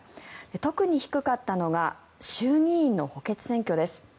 特に低かったのが衆議院の補欠選挙です。